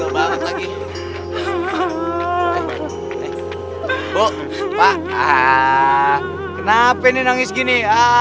bu ah ahhh kenapa ini nangis gini